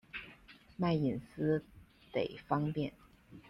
卖隐私得方便